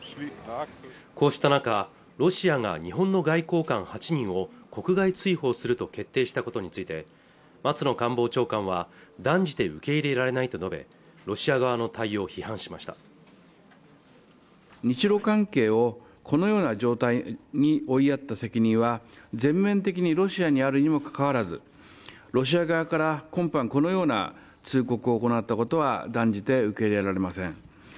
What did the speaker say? こうした中ロシアが日本の外交官８人を国外追放すると決定したことについて松野官房長官は断じて受け入れられないと述べロシア側の対応を批判しました日露関係をこのような状態に追いやった責任は全面的にロシアにあるにもかかわらずロシア側から今般このような通告を行ったことは断じて受け入れられません